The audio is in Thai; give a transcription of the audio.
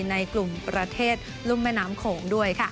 ในกลุ่มประเทศรุ่มแม่น้ำโขงด้วย